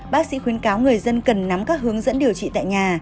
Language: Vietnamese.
bác sĩ khuyến cáo người dân cần nắm các hướng dẫn điều trị tại nhà